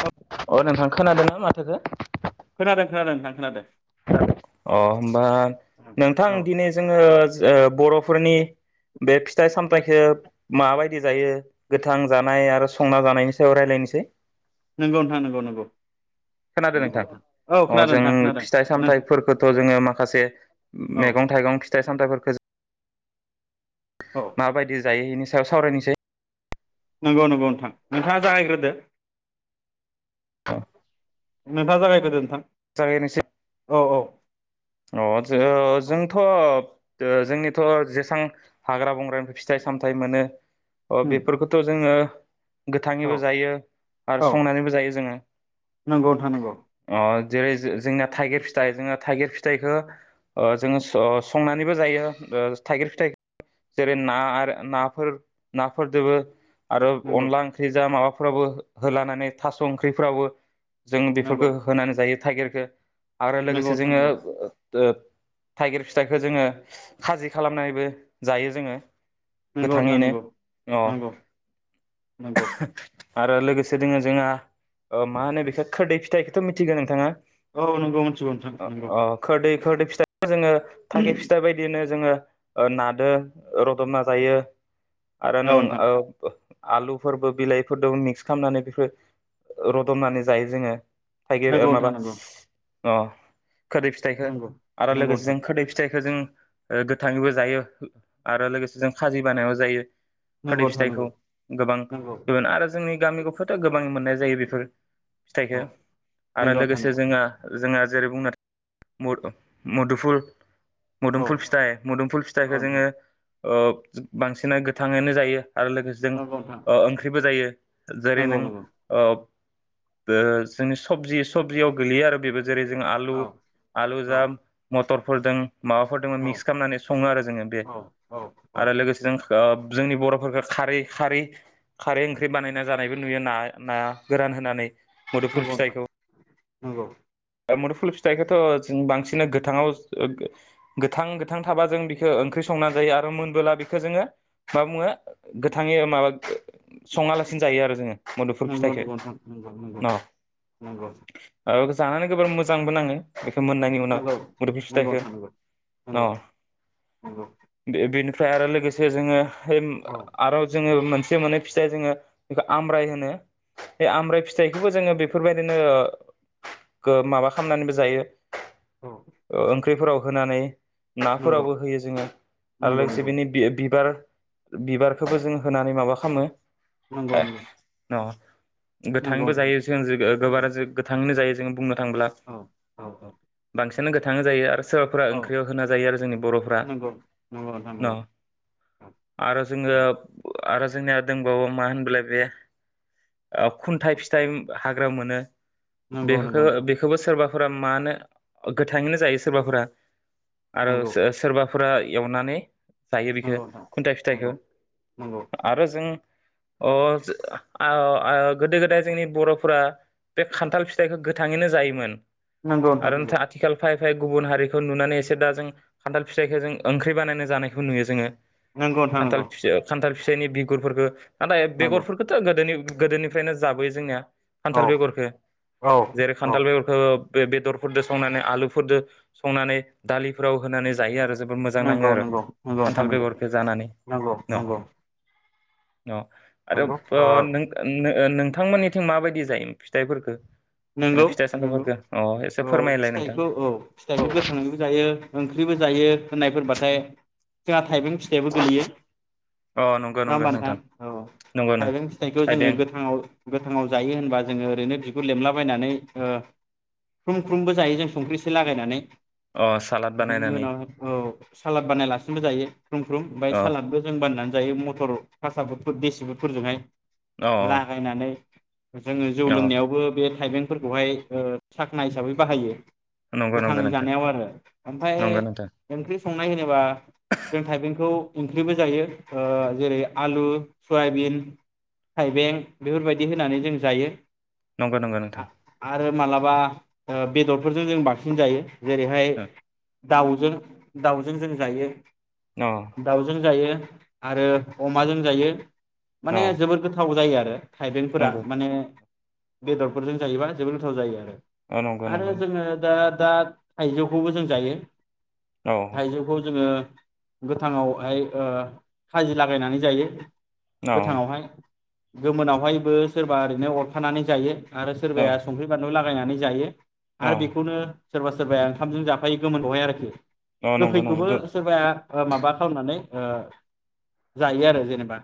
ओ अ नोंथां खोनादों ना माथोखो खोनादों खोनादों नोंथां खोनादो अ होमबा नोंथां औ दिनै जोङो ओ बर' फोरनि बे फिथाइ सामथाइखो माबायदि जायो गोथां जानाय आरो संना जानायनि सायाव रायलायनोसै नंगौ नोंथां नंगौ नंगौ नंगौ नोंथां औ अ खोनादों जों नोंथां खोनादों फिथाइ नों सामथाइफोरखौथ' जोङो माखासे औ मैगं थाइगं फिथाइ सामथायफोर गोज औ माबायदि जायो इनि सायाव सावरायनिसै नंगौ नंगौ नोंथां नोंथाङा जागायग्रोदो औ नोंथाङा जागायगोदो नोंथां जागायनोसो औ औ [unintelligible] जोंथ' ओ जोंनिथ' जेसां हाग्रा बंग्रानिफ्राय फिथाइ सामथाइ मोनो अ उम बेफोरखौथ' जोङो औ गोथाङैबो जायो आरो औ संनानैबो जायो जोङो अ नंगौ नोंथां नंगौ जेरै जोंना थाइगिर फिथाइ जोंहा थाइगिर फि फिथाइखौ ओ जोङो संनानैबो जायो थाइगिर फिथाइ जेरै ना आरो नाफोर नाफोरदोबो फि आरो नंगौ अनला ओंख्रि जा माबा फ्रावबो होलानानै थास' ओंख्रिफ्रावो जों नंगौ बेफोरखौ होनानै जायो। थाइगिरखौ आरो नंगौ लोगोसे नोंथां जोङो नंगौ ओ थाइगिर फिथाइखो जोङो खाजि खालामनानैबो जायो जोङो। नंगौ नोंथां गोथाङैनो नंगौ अ नंगौ नंगौ। आरो लोगोसे दोङो जोंहा मा होनो बेखो खोरदै फिथाइखौथ' मिथिगौ नोंथाङा? औ नंगौ मिथिगौ नोंथां नंगौ। खोर खोर फिथा जोङो थाखे फिथाइ बायदिनो जोङो नादों रदब ना जायो। आरो औ नों नोंथां ओ आलुफोरबो बिलाइफोरजों मिक्स खालामनानै बेफोर रदननानै जायो जोङो। थाइगिर नंगौ माबा नोंथां नंगौ अ खोदै फिथाइखौ नंगौ आरो नंगौ लोगोसे नोंथां जों खोदै फिथाइ बेखो जों गोथाङैबो जायो आरो लोगोसे जों खाजि बानायाबो जायो। खोदै नंगौ नोंथां फिथाइखौ नंगौ गोबां नंगौ गो आरो जोंनि गामि गफाथ' गोबां मोननाय जायो बेफोर औ फिथाइखो नंगौ आरो नोंथां लोगोसे नंगौ जोङो जोंहा जेरै बुंनो थां मुदुफुल औ मोदुमफुल फिथाइ मुदुमफुल औ फिथाइखौ जोङो। नोंथां बांसिनना गोथाङैनो जायो। आरो लोगोसे जों नंगौ नोंथां ओ ओंख्रिबो जायो। जेरै नंगौ नों नंगौ ओ दा जोंनि सबजि सबजियाव गोगलैयो आरो बेबो जेरै जों औ आलु आलु जाम मटर फोरदों माबाफोर दों औ मिक्स खामनानै सङो आरो जोङो बे औ औ औ आरो लोगोसे ज जोंनि बर'फोरखौ खारै खारै खारै ओंख्रि बानायना जानायबो नुयो नाया नाया गोरान होनानै मुदुफुल नंगौ नोंथां फिथाइखौ नंगौ मुदुफुल फिथाइखौथ' जों बांसिन गोथांाव गोथां गोथां थाबा जों बिखो ओंख्रि संनानै जायो आरो मोनबोला बेखौ जोङो मा बुङो गोथाङै माबा सङालासिनो जायो आरो जोङो मदुफल नंगौ नंगौ फिथाइखौो नोंथां नंगौ न नंगौ औ जानानै गोबां मोजांबो नाङो बेखौ मोननायनि उनाव नंगौ मोदोमनि नंगौ नंगौ फिथाइखो नोंथां औ नंगौ नंगौ बे बेनो ओमफ्राय आरो लोगोसे जोङो औ आरो जोङो मोनसे मोनै फिथाइ जोङो बेखौ आम्राइ होनो बे आम्राइ फिथाइखौबो जोङो बेफोरबायदिनो माबा खालामनानैबो जायो औ ओ ओं फख्रिफोराव होनानै नंगौ नाफोरावबो होयो जोङो आरो नंगौ नंगौ लोगोसे बेनि बि बिबार बिबारखौबो जों होनानै माबा खालामो [unintelligible] नंगौ न नंगौ गोथांबो नोंथां जायो [unintelligible] उम गोथां [unintelligible] जायो जों बुंनो थांब्ला औ औ औ बांसि [unintelligible] गोथाङो जायो आरो सोरबाफ्रा औ ओंख्रियाव होना जायो आरो जोंनि बर'फ्रा नंगौ नंगौ नोंथां न' नंगौ औ आरो जोङो आरो जोंनिया दंबावो मा होनब्ला बे ओ खुनथायाइ फिथाइ हा ग्रायाव मोनो नंगौ नंगौ बेखौ नोंथां बेखौबो सोरबा फोरा मानो गोथाङैनो जायो सोरबाफोरा आरो नंगौ सो-सोरबा फोरा एवनानै जायो बिखो नंगौ नोंथां खुनथाइ नंगौ फिथाइखौ आरो जों ओ आ ओ गोदो गोदाय जोंनि बर'फोरा बे खानथाल फि थाइखौ गोथाङैनो जायोमोन नंगौ नंगौ आरो नंगौ नोंथां आथिखाल फाइभ फ्राय गुबुन हारिखौ नुनानै एसे दा जों खानथाल फिथाइखौ जों ओंख्रि बानाय जानायखौ नुयो जोङो नंगौ नोंथां खानथाल नंगौ फि खानथाल फिथाइनि बिगुरफोरखौ [unintelligible] नंगौ बेगरफोरखौथ' गोदोनि गोदोनिफ्रायनो जाबोयो जोंनिया औ खानथाल बेगरखौ औ जेरै औ खानथाल बेगरफोरखौ बे बेदरफोरदो संनानै आलुफोरदो संनानै दालिफोराव होनानै जायो आरो जोबोद मोजां नाङो नंगौ आरो नंगौ नंगौ नोंथां खानथाल नंगौ बेगरखौ जानानै नंगौ न नंगौ ओ आरो नंगौ प ओ नों नों ओ नोंथांमोननिथिं माबायदि जायो फिथाइफोरफोरखौ नंगौ नंगौ औ फोरमायलाय नोंथां फिथाइखौ औ फिथाइखौ गोथाङैबो जायो ओंख्रिबो जायो होननायफोरबाथाय जोंहा थाइबें ज अ नंगौ नंगौ नोंथां नंगौनो थाइबें ज [inaudible] लायनानै ख्रुम ख्रुमबो जायो जों संख्रिसे लागायनानै अ सालाद बिनि बानायनानै उनाव औ सालाद बानायालासिनोबो जायो ख्रुम ख्रुम ओमफ्राय अ सालादबो जों बानायनानै जायो मटर कासा बुट देसि बुटफोरजोंहाय अ लागायनानै जोङो जौ अ लोंनायावबो बे थाइबेंफोरखौहाय साखनाय हिसाबै बाहायो अ नंगौ नंगौ गोथाङै नोंथां जानायाव आरो ओमफ्राय नंगौ नोंथां ओंख्रि संनाय होनोबा जों थाइबेंखौ ओंख्रिबो जायो जेरै आलु सयाबिन थाइबें बेफोरबायदि होनानै जों जायो नंगौ नंगौ नोंथां आरो मालाबा बेदरफोरजों जों बांसिनजायो जेरैहाय अ दाउजों दाउजों जों जायो अ दाउजों जायो आरो अमाजों जायो अ माने जोबोद गोथाव जायो आरो द थाइबेंफोरा नंगौ माने बेदर फोरजों जायोबा जोबोद गोथाव जायो आरो अ नंगौ नंगौ आरो जोङो दा दा थाइजौखौबो जों जायो औ थाइजौखौ जोङो गोथाङावहाय ओ खाजि लागायनानै जायो औ गोथाङावहाय गोमोनावहायबो सोरबा ओरैनो अरखानानै जायो आरो औ सोरबाया संख्रि बानलु ला गायनानै जायो औ आरो बेखौनो सोरबा सोरबाया ओंखामजों जाफायो गोमोन खौहाय आरोखि औ नंगौ नंगौ गोखैखौबो गो सोरबाया ओ माबा खालामनानै ओ जायो आरो जेनेबा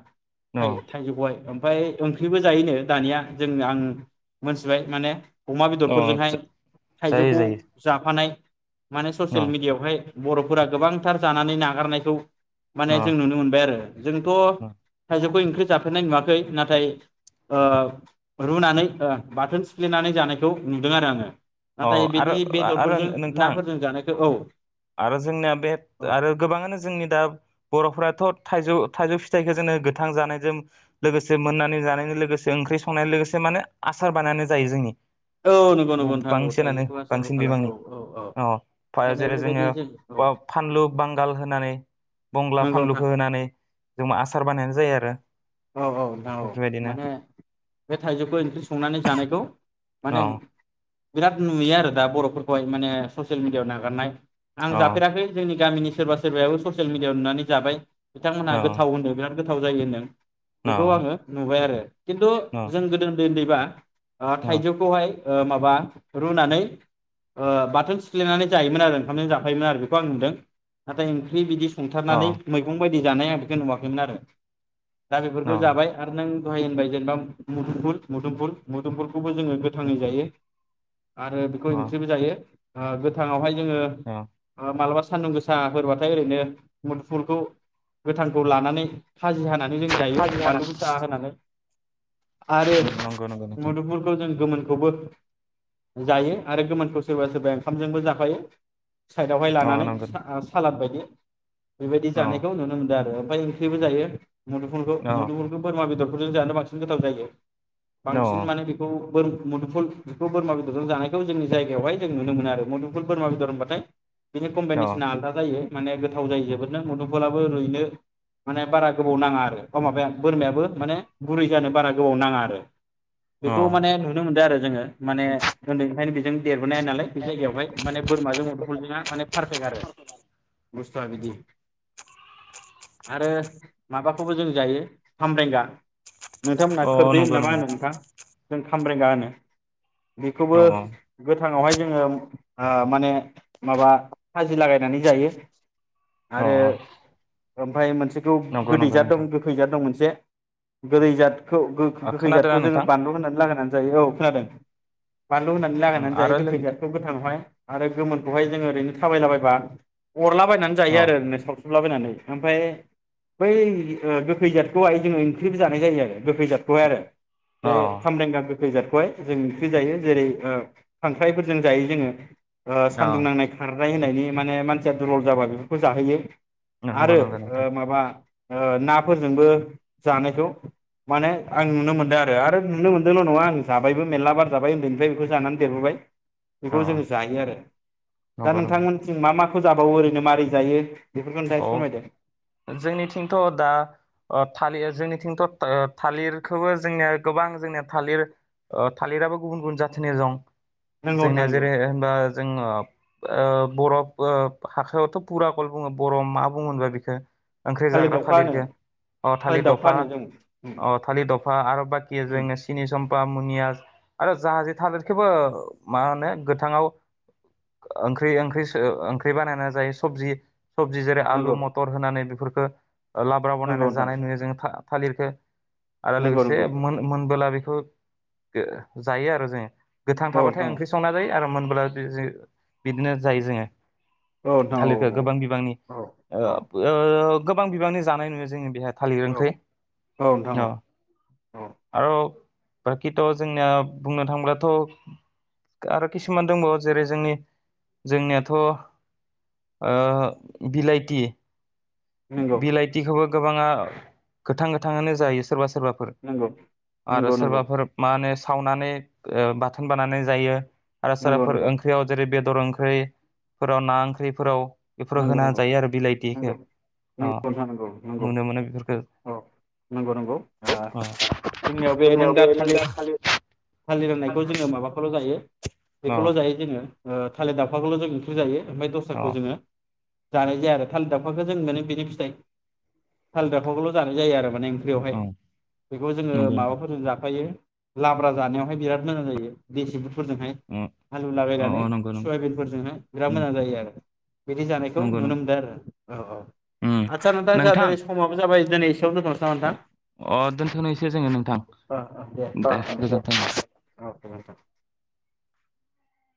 अ थाइ थाइजौखौहाय ओमफ्राय ओंख्रिबो जायोनो दानिया जों आं मोनथिबाय माने अमा अ बेदरफोरजोंहाय जा- जायो थाइजौखौ जायो जाफानाय माने अ ससियेल मिडियाआवहाय बर'फोरा गोबांथार जानानै नागारनायखौ अ माने जों नुनो मोनबाय आरो जोंथ' अ थाइजौखौ इं ख्रि जाफेरनाय नुवाखै नाथाय ओ रुनानै ओ बाथोन सिफ्लेनानै जानायखौ नुदों आरो आङो अ नाथाय आरो बिदि आरो बेदरफोरजों नोंथां नाफोरजों जानायखौ औ आरो जोंनिया बे औ आरो गोबाङानो जोंनि दा बर'फ्राथ' थाइ जौ थाइजौ फिथाइखौ जोङो गोथां जानायजों लोगोसे मोननानै जानायनि लोगोसे ओंख्रि संनाय लोगोसे माने आसार बानायनानै जायो जोंनि औ नंगौ नंगौ नोंथां औ बांसिनानो थाइजौखौ आसारबो बांसिन खालामो बिबांनि औ औ औ अ जेरै ओंखायनो बे जोङो ओ फानलु बांगाल होनानै बंग्ला नंगौ नोंथां फानलुखौ होनानै जों आसार बानायनाय जायो आरो औ औ नोंथां औ बेफोरबायदिनो माने बे थाइजौखौ इंख्रि संनानै जानायखौ औ माने बिराद नुयो आरो दा बर'फोरखौहाय माने ससियेल मिडियाआव नागारनाय आं औ जाफेराखै जोंनि गामिनि सोरबा सोरबायाबो ससियेल मि दियाव नुनानै जाबाय औ बिथांमोनहा गोथाव होनो बिराद गोथाव जायो होनदों औ बेखौ आङो नुबाय आरो खिन्थु औ जों गोदो उनदै उनदैबा ओ औ थाइजौखौहाय ओ माबा रुनानै ओ बाथोन सिफ्लेनानै जायोमोन आरो ओंखामजों जाफायोमोन आरो बेखौ आं नुदों नाथाय ओंख्रि बिदि सोंथारनानै औ मैगं बाय दि जानाय आं बेखौ नुवाखैमोन आरो दा बेफोरखौ जाबाय आरो नों लहार होनबाय जेनेबा मुदुमफुल मुदुमफुल मुदुमफुल खौबो जोङो गोथाङै जायो आरो बेखौ ओंख्रिबो जायो ओ गोथाङावहाय जोङो अ मालाबा सानदुं गोसा फोरबाथाय ओरैनो मुदफुलखौ गोथांखौ लानानै खाजि हानानै जों जायो अ बानलु गोसा होनानै आरो नंगौ नंगौ नोंथां मुदुफुलखौ जों गोमोन खौबो जायो आरो गोमोनखौ सोरबा सोरबा ओंखामजोंबो जाफायो साइदावहाय अ लानानै नंगौ सालाद बायदि बेबायदि अ जानायखौ नुनो मोनदो आरो ओमफाय ओंख्रिबो जायो मुदुफुलखौ अ मुदुफुलखौ बुरमा बेदर फोरजों जानो बांसिन गोथाव जायो औ बांसिन माने बेखौ बोर मुदुफुल बेखौ बोरमा बेदरजों जानायखौ जोंनि जायगायावहाय जों नुनो मोनो आरो मुदुफुल बोरमा बेदर होनबाथाय बिनि औ कम्बिनेसना आलदा जायो। माने गोथाव जायो जोबोरनो मुदुमफुलाबो रुइनो माने बारा गोबाव नाङा आरो ओ माबाया बोरमायाबो माने गुरै जानो बारा गोबाव नाङा आरो अ बेखौ माने नुनो मोनदो आरो। जोङो माने उनदैनिफ्रायनो जों देरबोनाय नालाय बे जायगायावहाय माने बोरमाजों मुदुमफुलजोंहा माने पारफेक्ट आरो। बस्थया बिदि आरो माबा खौबो जों जायो खामब्रेंगा नोंथांमोना अ खोरदै होनो नंगौ ना मा नंगौ होनो नोंथां जों। खामब्रेंगा होनो। बेखौबो औ औ गो सिगाङावहाय जोङो ओ माने माबा खाजि लागायनानै जायो। आरो अ ओमफ्राय मोनसे। खौ नंगौ नंगौ गोदैजाद नोंथां दं गोखैजाद दं मोन जे गोदैजाद खौ गो ओ खोनादोंना गोखैजाथखौ जोङो नोंथां बानलु होनानै लागायनानै। जायो औ खोनादों। बानलु होनानै उम, लागायनानै जायो आरो गोखै लोगो जाथखौ गोथां आवहाय आरो गोमोनखौहाय जोङो ओरैनो थाबायलाबायबा अरलाबायायनानै औ जायो आरो ओरैनो सावस हुलाबायनानै ओमफ्राय बै ओ गोखै जाथखौहाय जोङो ओंख्रिबो जानाय जायो आरो गोखै जाथखौहाय आरो। बे औ खामब्रेंगा गो खै जादखौहाय जों ओंख्रि जायो जेरै ओ खांख्राइफोरजों जायो जोङो। ओ औ सान्दुं नांनाय खार फ्राय होनायनि माने मान जा दुरबल जाबा बेफोरखौ जाहोयो नंगौ आरो नंगौ नोंथां ओ माबा ओ नाफोरजोंबो जानायखौ माने आं नुनो मोनदो आरो आरो नुनो मोनदोल' नङा आं जाबायबो मेरला बार जाबाय उन्दैनिफ्राय बेखौ जानानै देरबोबाय। बेखौ औ जोंङो जायो आरो दा नंगौ नोंथां नंगौ मोनथिं मा मा?? खौ जाबावो ओरैनो मारै जायो। एसे फोरमायदो अ जोंनिथिंथ' दा अ थालिर जोंनिथिंथ''ओ ओ थालिरखोबो जोंनिया गोबां जोंनिया थालिर ओ थालिराबो गुबुन गुबुन जाथिनि दं। नंगौ नोंथां जोंनिया नंगौ जेरै होनबा जोङो ओ बरफ ओ हाखायावथ' फुरा कल बुङो। बर'आव मा बुंगोनबा बेखो ओंख्रि थालिर जाग्रा दावखा होनो थालिरखो अ थालिर दावखा दफा होनो जों अ उम थालिर दफा आरो बाखिया उम जोंनो सिनि सम बा मुनियास आरो जाहाजि थालिरखौबो मा होने गोथांआव ओंख्रि ओंख्रि सो ओंख्रि बानायना जायो सबजि सबजि जेरै आलु नंगौ मथर होनानै बेफोर बो ओ लाब्रा नंगौ बनायना नोंथां जानाय नुयो जों था। थालिरखो आरो नंगौ लोगोसे नंगौ मोन मोनबोला बेखौ गो जायो आरो जोङो गोथां औ नोंथां थाबाथाय ओंख्रि संना जायो आरो। मोनब्ला दि जो बिदिनो जायो जोङो औ नोंथां औ थालिरखौ औ। [unintelligible] ओ औ गोबां बिबांनि जानाय नुयो जोङो बेहाय थालिर औ ओंख्रि नोंथां अ औ औ बाखिथ' जोंनिया बुंनो थांब्लाथ' आरो खिसुमान दंबावो जेरै जोंनि जोंनियाथ' ओ बिलाइथि नंगौ बिलायथि खोबो गोबाङा गोथां गोथाङानो जायोस सोरबा सोरबाफोर नंगौ आरो नंगौ नंगौ सोरबाफोर मा होनो सावनानै ओ बाथोन बानानै जायो। आरो नंगौ साराफोर नंगौ ओंख्रियाव जेरै बे दर ओंख्रै फोराव ना ओंख्रिफोराव बेफोराव होना जायो आरो बिलाइथिखो नोंगौ नोंथां नोंगौ नोंगौ औ नोंगौ नंगौ ओ अ जोंनियाव बे नों दा थालिर खौ जोङो माबाखौल' जायो अ बेखौल' जायो जोङो। ओ थालिर दावखाखौल' जों ओंख्रि जायो। ओमफाय अ दस्राखौ जोङो जानाय जाया आरो थालिर दावखाखो जों मोनो बिनि फिथाइ थालिर दावखाखौल' जानाय जायो आरो माने बेवहाय औ बेखौ जोङो नंगौ नंगौ माबाफोरजों जाफायो। लाब्रा जानायावहाय बिराद मोजां जायो बिसे फोरजोंहाय अ आलु लागायनानै अ नंगौ नंगौ सुयाबिनफोरजोंहाय बिराद मोजां जायो आरो। बिदि जानायखौ नंगौ नुनो नंगौ मोनदो आरो औ औ आदसा नोंथां जाहा दोनै समाबो जाबाय। [unintelligible] नामा नोंथां? अ अ दोनथ'निसै जोङो नोंथां ओ ओ दास गोजोनथों गोजोन्थों